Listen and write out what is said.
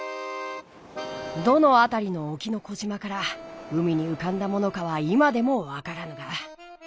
どのあたりのおきの小島から海にうかんだものかは今でもわからぬが。